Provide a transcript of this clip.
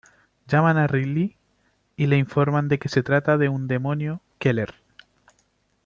Llaman a Riley y le informan de que se trata de un demonio Keller.